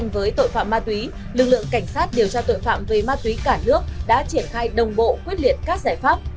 với tội phạm ma túy lực lượng cảnh sát điều tra tội phạm về ma túy cả nước đã triển khai đồng bộ quyết liệt các giải pháp